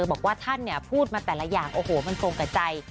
บอกว่าท่านพูดมาแต่ละอย่างโอ้โหมันตรงกับใจ